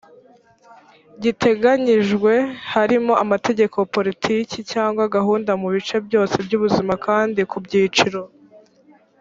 giteganyijwe harimo amategeko politiki cyangwa gahunda mu bice byose by’ubuzima kandi ku byiciro